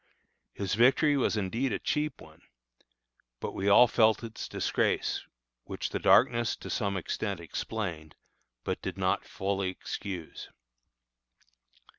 His victory was indeed a cheap one, but we all felt its disgrace, which the darkness to some extent explained, but did not fully excuse.